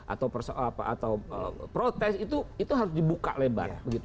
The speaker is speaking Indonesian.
atau protes itu harus dibuka lebar